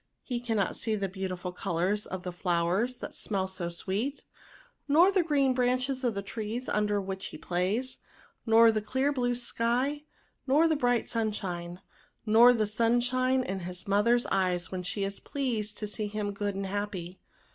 He cannot see the beautiful colours of the flow ers that smell so sweet, nor the green branches of the trees under which he plays, nor the clear blue sky, nor the bright sunshine, nor the sunshine in his mother's eyes when she is pleased to see him good and happy."